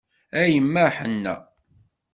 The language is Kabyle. A yemma ḥenna.